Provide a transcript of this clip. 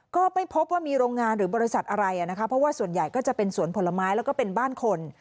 ก็ไม่พบว่ามีโรงงานหรือบริษัทอะไรนะคะเพราะว่าส่วนใหญ่ก็จะเป็นสวนผลไม้แล้วก็เป็นบ้านคน